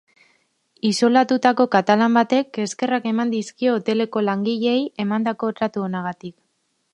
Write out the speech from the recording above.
Isolatutako katalan batek eskerrak eman dizkio hoteleko langileei emandako tratu onagatik.